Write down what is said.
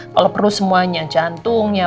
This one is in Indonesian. kalau perlu semuanya jantungnya